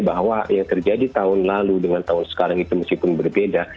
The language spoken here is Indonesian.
bahwa yang terjadi tahun lalu dengan tahun sekarang itu meskipun berbeda